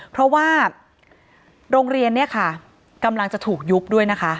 เพราะว่าโรงเรียนเนี่ยค่ะกำลังจะถูกยุบด้วยนะคะ